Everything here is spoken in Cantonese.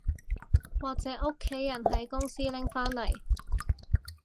或者屋企人喺公司拎返嚟